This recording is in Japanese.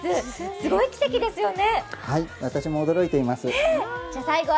すごい奇跡ですよね。